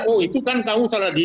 oh itu kan kamu salah di